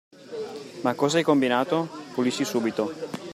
Ma cosa hai combinato? Pulisci subito!